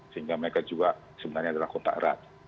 sehingga mereka juga sebenarnya adalah kontak erat